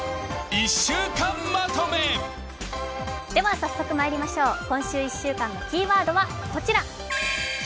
早速まいりましょう今週１週間のキーワードは「人」。